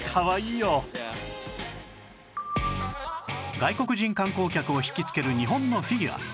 外国人観光客を引きつける日本のフィギュア